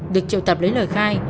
được trụ tập lấy lời khai